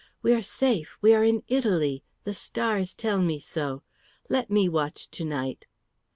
We are safe; we are in Italy. The stars tell me so. Let me watch to night."